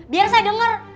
biar saya denger